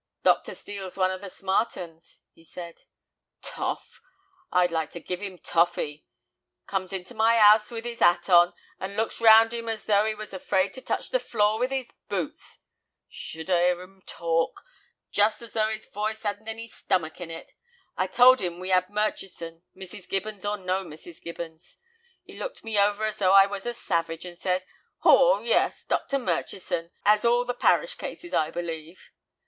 "Dr. Steel's one of the smart 'uns," he said. "Toff! I'd like to give 'im toffee! Comes into my 'ouse with 'is 'at on, and looks round 'im as though 'e was afraid to touch the floor with 'is boots. Sh'ld 'ear 'im talk, just as though 'is voice 'adn't any stomach in it. I told 'im we had Murchison, Mrs. Gibbins or no Mrs. Gibbins. 'E looked me over as though I was a savage, and said, 'Haw, yes, Dr. Murchison 'as all the parish cases, I believe.